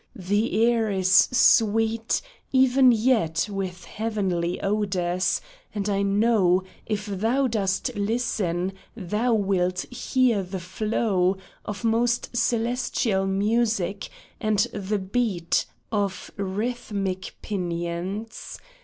The air is sweet Even yet with heavenly odors, and I know If thou dost listen, thou wilt hear the flow Of most celestial music, and the beat Of rhythmic pinions.